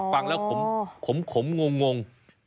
ฟังแล้วขมง